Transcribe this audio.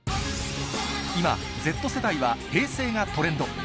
今、Ｚ世代は平成がトレンド。